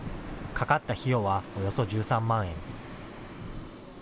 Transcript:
かかった費用はおよそ１３万円。